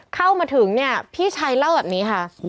เข้ามาถึงเนี่ยพี่ชายเล่าแบบนี้ค่ะ